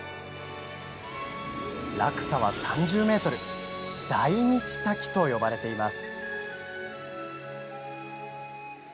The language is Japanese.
落差は３０ｍ大日滝と呼ばれています。